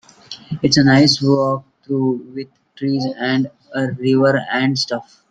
It's a nice walk though, with trees and a river and stuff.